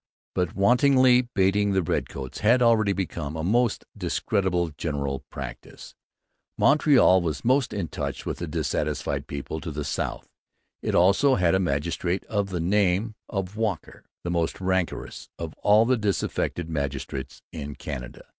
But wantonly baiting the redcoats had already become a most discreditable general practice. Montreal was most in touch with the disaffected people to the south. It also had a magistrate of the name of Walker, the most rancorous of all the disaffected magistrates in Canada.